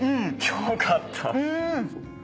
よかった！